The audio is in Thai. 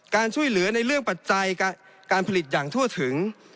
การช่วยเหลือในเรื่องปัจจัยการผลิตอย่างทั่วถึง